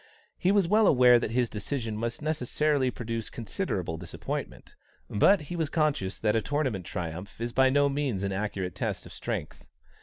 He was well aware that his decision must necessarily produce considerable disappointment, but he was conscious that a tournament triumph is by no means an accurate test of strength.